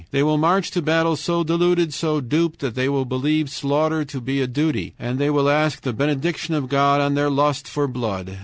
They will march to battle so deluded, so duped, that they will believe slaughter to be a duty, and will ask the benediction of God on their lust for blood.